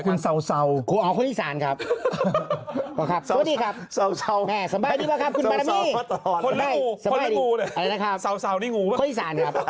คุณเศร้าเศร้าคุณอ๋อคนอีสานครับสวัสดีครับสวัสดีครับสวัสดีครับสวัสดีครับสวัสดีครับสวัสดีครับ